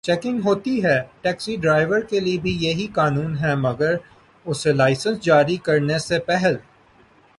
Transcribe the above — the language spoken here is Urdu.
چیکنگ ہوتی ہے۔ ٹیکسی ڈرائیور کے لیے بھی یہی قانون ہے مگر اسے لائسنس جاری کرنے سے پہل